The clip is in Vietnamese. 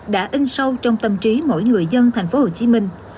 đã in sâu trong tâm trí mỗi người dân thành phố hồ chí minh